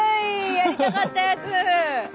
やりたかったやつ！